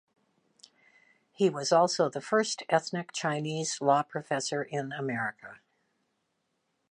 He was also the first ethnic Chinese law professor in America.